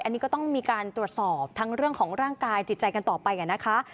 อันนี้ก็ต้องมีการตรวจสอบทั้งเรื่องของร่างกายจิตใจกันต่อไปนะคะ